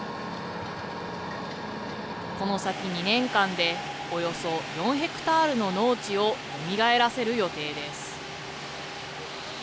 この先２年間で、およそ４ヘクタールの農地をよみがえらせる予定です。